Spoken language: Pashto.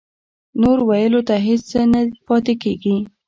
نور ویلو ته هېڅ څه نه پاتې کېږي